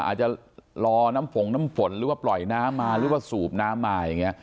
อาจจะรอน้ำฝงน้ำฝนหรือว่าปล่อยน้ำมาหรือว่าสูบน้ำมาอย่างนี้